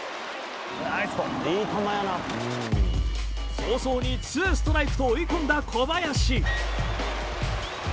早々にツーストライクと追い込んだ小林。